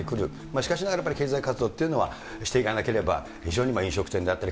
しかしながらやっぱり経済活動というのはしていかなければ、非常に飲食店であったり、